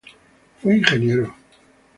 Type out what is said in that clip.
Fue ingeniero.